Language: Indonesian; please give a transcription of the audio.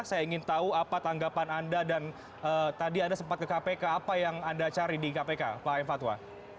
saya ingin tahu apa tanggapan anda dan tadi anda sempat ke kpk apa yang anda cari di kpk pak m fatwa